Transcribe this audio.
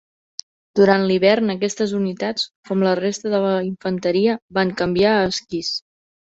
Durant l'hivern aquestes unitats, com la resta de la infanteria, van canviar a esquís.